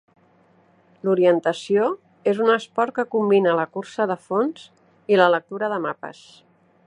L'orientació és un esport que combina la cursa de fons i la lectura de mapes